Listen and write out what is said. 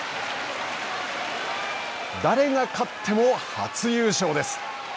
誰が勝っても初優勝です。